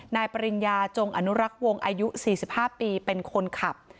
นายปริญญาจงอนุรักษ์วงอายุ๔๕ปีเป็นคนขับ